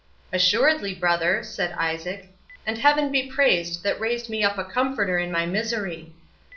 "Assuredly, brother," said Isaac, "and Heaven be praised that raised me up a comforter in my misery.